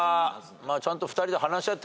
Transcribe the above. ちゃんと。